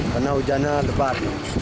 karena hujannya lebar